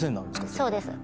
そうです。